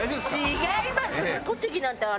違います！